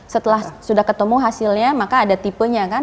setelah sudah ketemu hasilnya maka ada tipenya kan